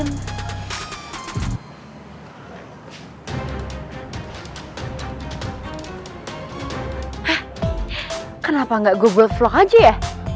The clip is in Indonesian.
hah kenapa gak gue buat vlog aja ya